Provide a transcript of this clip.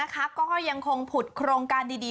ก็ยังคงผุดโครงการดี